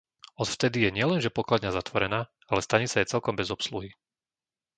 Odvtedy je nielenže pokladňa zatvorená, ale stanica je celkom bez obsluhy.